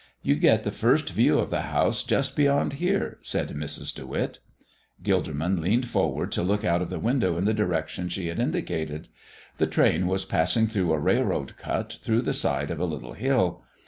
"You get the first view of the house just beyond here," said Mrs. De Witt. Gilderman leaned forward to look out of the window in the direction she had indicated. The train was passing through a railroad cut through the side of a little hill.